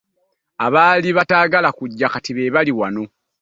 Abaali tebaagala kujja kati be bali wano.